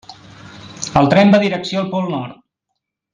El tren va direcció el Pol Nord.